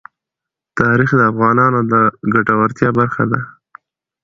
تاریخ د افغانانو د ګټورتیا برخه ده.